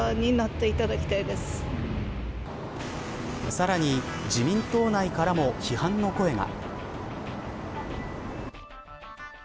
さらに自民党内からも批判の声が。